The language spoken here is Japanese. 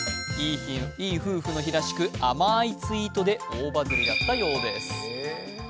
いい夫婦の日らしく、あまーいツイートで大バズりだったようです。